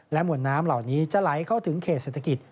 มวลน้ำเหล่านี้จะไหลเข้าถึงเขตเศรษฐกิจ